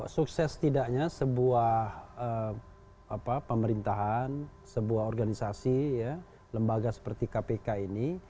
sukses tidaknya sebuah pemerintahan sebuah organisasi lembaga seperti kpk ini